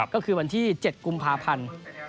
ก็คือวันที่๗กุมภาพันธ์